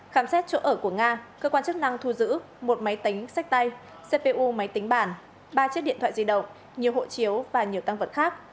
khám xét chỗ ở của nga cơ quan chức năng thu giữ một máy tính sách tay cpu máy tính bản ba chiếc điện thoại di động nhiều hộ chiếu và nhiều tăng vật khác